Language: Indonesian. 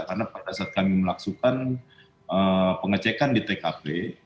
karena pada saat kami melaksukan pengecekan di tkp